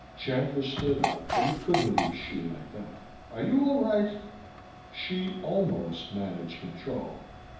Chandler stood up. But he couldn't leave Hsi like that. "Are you all right?" Hsi almost managed control.